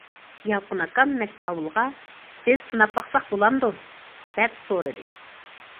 يالقۇن ئاكام مەشقاۋۇلغا« بىز سىناپ باقساق بولامدۇ؟» دەپ سورىدى.